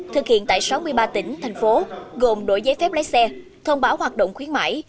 thực hiện tại sáu mươi ba tỉnh thành phố gồm đổi giấy phép lái xe thông báo hoạt động khuyến mãi